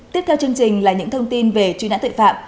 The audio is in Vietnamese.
tiếp theo chương trình là những thông tin về truy nã tội phạm